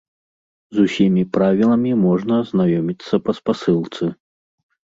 З усімі правіламі можна азнаёміцца па спасылцы.